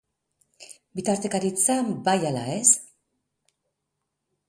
Bitartekaritza bai ala ez?